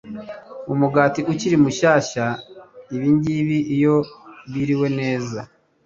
umugati ukiri mushyashya Ibingibi iyo biriwe neza